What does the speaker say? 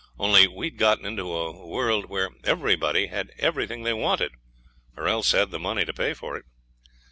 Only we had got into a world where everybody had everything they wanted, or else had the money to pay for it.